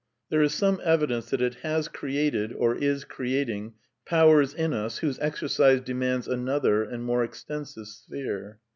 There is some evidence that it has created, or is creating, powers in us whose exercise demands another and more extensive sphere.